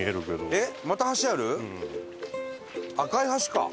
えっ！